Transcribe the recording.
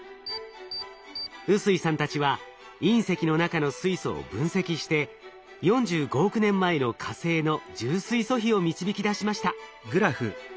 臼井さんたちは隕石の中の水素を分析して４５億年前の火星の重水素比を導き出しました。